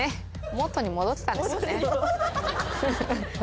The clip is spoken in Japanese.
もとに戻ってたんですよね。